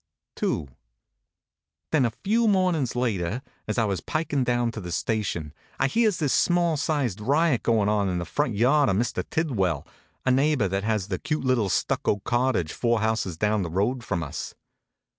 II fTlHEN a few mornin s later, as I was pikin down to the station, I hears this small sized riot going on in the front yard of Mr. Tidwell, a neighbor that has the cute little stucco cottage four houses down the road from us.